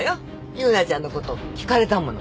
夕菜ちゃんの事を聞かれたもの